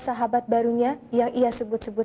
sahabat barunya yang ia sebut sebut